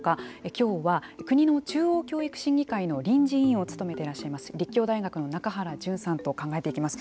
きょうは国の中央教育審議会の臨時委員を務めていらっしゃいます立教大学の中原淳さんと考えていきます。